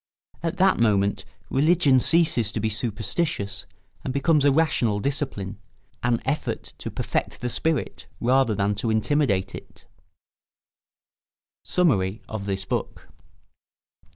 At that moment religion ceases to be superstitious and becomes a rational discipline, an effort to perfect the spirit rather than to intimidate it. [Sidenote: Summary of this book.